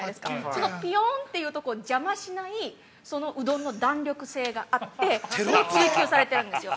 そのピヨンっていうとこを邪魔しないうどんの弾力性があってそれを追求されてるんですよ。